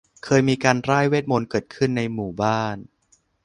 เคยมีการร่ายเวทมนตร์เกิดขึ้นในหมู่บ้าน